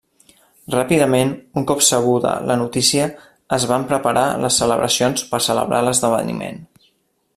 Ràpidament un cop sabuda la notícia es van preparar les celebracions per celebrar l'esdeveniment.